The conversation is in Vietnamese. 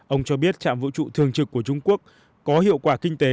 ông cho biết trạm vũ trụ thường trực của trung quốc có hiệu quả kinh tế